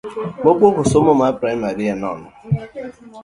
Mokuongo somo mar primari en nono.